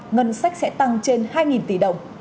ngân sách sẽ tăng trên hai nghìn tỷ đồng